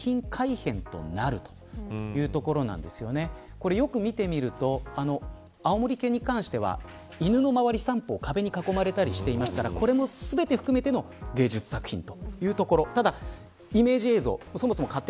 これよく見てみるとあおもり犬に関しては犬の周り、３方壁に囲まれたりしていますからこれも全て含めての芸術作品というところ。